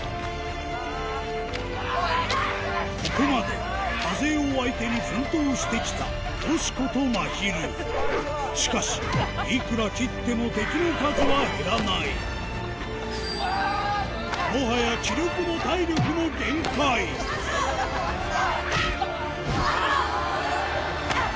ここまで多勢を相手に奮闘してきたよしことまひるしかしいくら斬っても敵の数は減らないもはや気力も体力も限界うわっ！